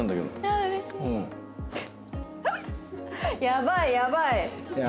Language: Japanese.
やばいやばい！